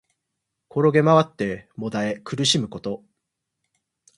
転げまわって悶え苦しむこと。